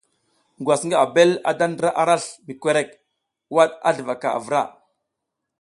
Ngwasa ngi abel a da ndra arasl mi korek, waɗ a sluvaka avura.